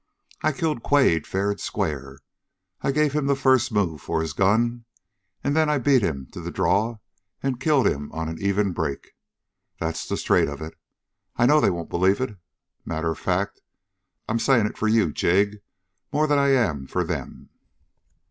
I killed Quade fair and square. I give him the first move for his gun, and then I beat him to the draw and killed him on an even break. That's the straight of it. I know they won't believe it. Matter of fact I'm saying it for you, Jig, more'n I am for them!"